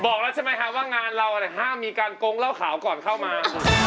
บอกแล้วใช่ไหมคะว่างานเราห้ามมีการโกงเหล้าขาวก่อนเข้ามา